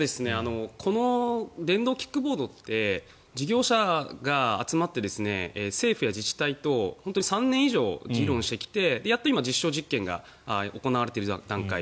この電動キックボードって事業者が集まって政府や自治体と３年以上議論してきてやっと今、実証実験が行われている段階。